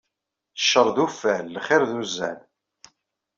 Ccer d uffal, lxir d uzzal.